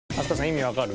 意味わかる？